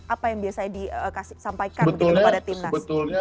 apa yang biasanya disampaikan pada tim nas